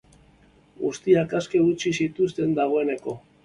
Guztiak aske utzi zituzten dagoeneko.